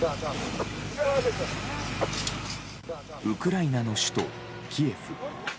ウクライナの首都キエフ。